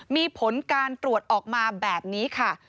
มีผลการตรวจออกมาแบบนี้ค่ะ